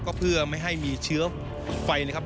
ก็เพื่อไม่ให้มีเชื้อไฟนะครับ